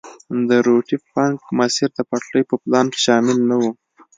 د روټي فنک مسیر د پټلۍ په پلان کې شامل نه وو.